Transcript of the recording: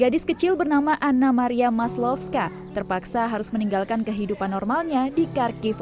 gadis kecil bernama anna maria maslovska terpaksa harus meninggalkan kehidupan normalnya di kharkiv